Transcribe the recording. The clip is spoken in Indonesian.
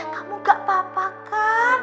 kamu gak apa apa kan